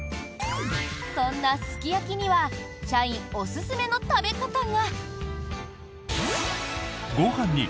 そんな「すきやき」には社員おすすめの食べ方が。